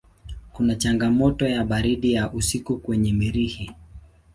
Kuna changamoto ya baridi ya usiku kwenye Mirihi.